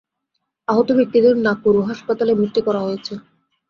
আহত ব্যক্তিদের নাকুরু হাসপাতালে ভর্তি করা হয়েছে।